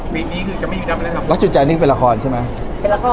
ปีนี้คือจะไม่อยู่ด้านบนแล้วครับครับแล้วจุดใจนี่เป็นละครใช่ไหมเป็นละคร